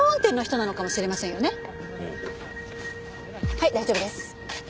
はい大丈夫です。